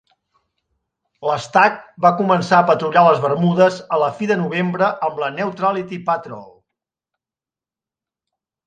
L'"Stack" va començar a patrullar les Bermudes a la fi de novembre amb la Neutrality Patrol.